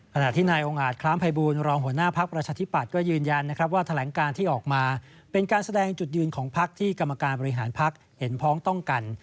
ขณะที่นายองค์อาจคล้ามภัยบูรณรองหัวหน้าภักดิ์ประชาธิปัตย์ก็ยืนยันนะครับว่าแถลงการที่ออกมาเป็นการแสดงจุดยืนของพักที่กรรมการบริหารพักเห็นพ้องต้องกัน